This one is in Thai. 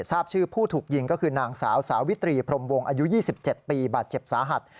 ทราบชื่อผู้ถูกยิงก็คือนางสาวสาวิตรีพรมวงอายุ๒๗ปีบาดเจ็บสาหัส